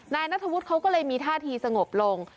นายนัทธวุฒิเขาก็เลยมีท่าทีสงบลง